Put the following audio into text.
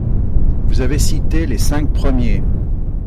Vous avez cité les cinq premiers